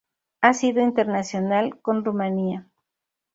Ha sido internacional con Rumanía.